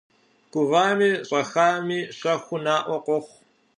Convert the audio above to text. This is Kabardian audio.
Гувами щӏэхами щэхур наӏуэ къохъу.